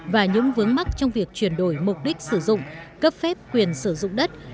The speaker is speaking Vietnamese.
và những vướng mắc trong việc chuyển đổi mục đích sử dụng cấp phép quyền sử dụng đất